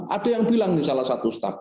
ada yang bilang nih salah satu staff